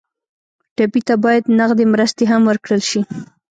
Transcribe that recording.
ټپي ته باید نغدې مرستې هم ورکړل شي.